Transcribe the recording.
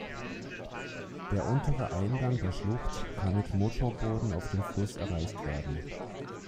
Der untere Eingang der Schlucht kann mit Motorbooten auf dem Fluss erreicht werden.